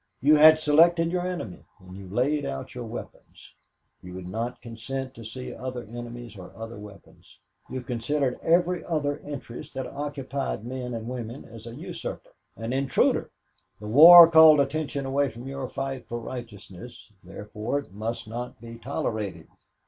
You had selected your enemy, you had laid out your weapons. You would not consent to see other enemies or other weapons. You have considered every other interest that occupied men and women as an usurper, an intruder. The war called attention away from your fight for righteousness therefore it must not be tolerated.